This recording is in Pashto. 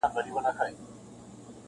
په لاسو کي د اغیار لکه پېلوزی-